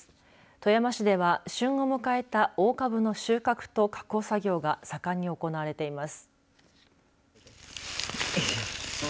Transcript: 富山市では旬を迎えた大かぶの収穫と加工作業が盛んに行われています。